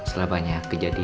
saya sudah saling perhatian